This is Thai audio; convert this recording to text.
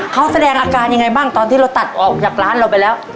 เขาแสดงอาการยังไงบ้างตอนที่เราตัดออกจากร้านเราไปแล้ว